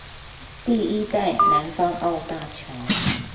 第一代南方澳大橋